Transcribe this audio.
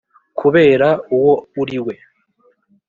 kubera uwo uri we